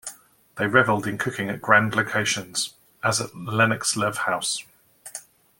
They revelled in cooking at grand locations, as at Lennoxlove House.